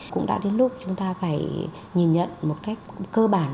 cũng đã đến lúc chúng ta phải nhìn nhận một cách cơ bản